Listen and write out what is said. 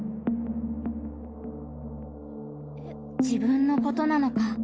「自分のことなのか」。